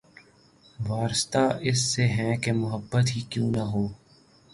وارستہ اس سے ہیں کہ‘ محبت ہی کیوں نہ ہو